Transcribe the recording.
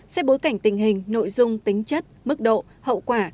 xét bối cảnh tình hình nội dung tính chất mức độ hậu quả